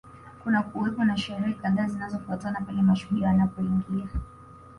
Kunakuwepo na sherehe kadhaa zinazofuatana pale mashujaa wanapoingia